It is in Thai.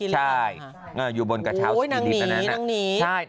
ใช่อยู่บนกระเช้าสกีลิฟต์นั้น